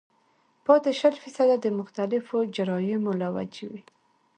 پاتې شل فيصده د مختلفو جراثيمو له وجې وي